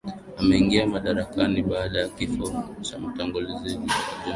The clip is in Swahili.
Ameingia madarakani baada ya kifo cha mtangulizi wake John Pombe Magufuli